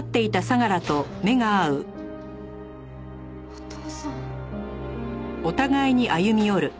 お父さん。